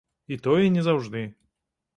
І тое не заўжды.